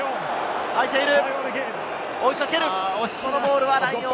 空いている！